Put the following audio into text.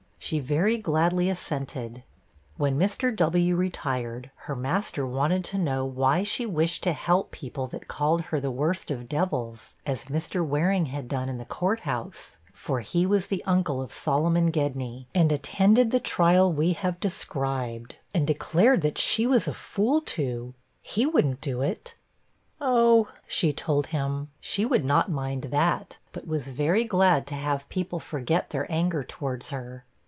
She very gladly assented. When Mr. W. retired, her master wanted to know why she wished to help people, that called her the 'worst of devils,' as Mr. Waring had done in the courthouse for he was the uncle of Solomon Gedney, and attended the trial we have described and declared 'that she was a fool to; he wouldn't do it.' 'Oh,' she told him, 'she would not mind that, but was very glad to have people forget their anger towards her.'